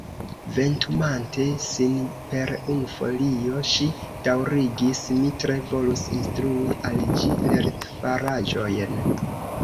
Ventumante sin per unu folio ŝi daŭrigis: "Mi tre volus instrui al ĝi lertfaraĵojn. »